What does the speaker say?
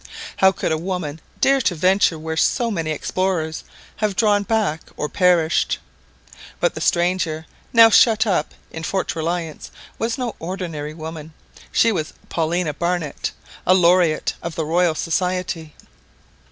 How could a woman dare to venture where so many explorers have drawn back or perished? But the stranger now shut up in Fort Reliance was no ordinary woman; she was Paulina Barnett, a laureate of the Royal Society.